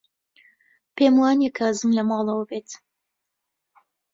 پێم وانییە کازم لە ماڵەوە بێت.